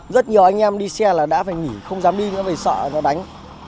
rất nhiều anh em đi xe là đã phải nghỉ không dám đi nữa phải sợ nó đánh